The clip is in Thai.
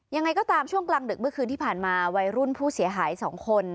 ยังไงก็ตามช่วงกลางดึกเมื่อคืนที่ผ่านมาวัยรุ่นผู้เสียหาย๒คน